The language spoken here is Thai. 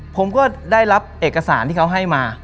ผมก็ได้รับเอกสารที่เขาให้มา